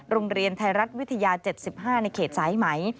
โรงเรียนไทยรัฐวิทยา๗๕ในเขตสายไหม